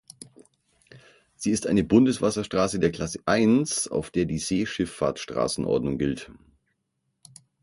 Sie ist eine Bundeswasserstraße der Klasse I, auf der die Seeschifffahrtsstraßen-Ordnung gilt.